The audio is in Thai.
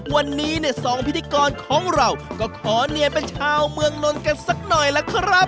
วันนี้เนี่ยสองพิธีกรของเราก็ขอเนียนเป็นชาวเมืองนนท์กันสักหน่อยล่ะครับ